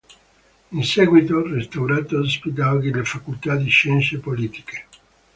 In seguito restaurato, ospita oggi la facoltà di scienze politiche.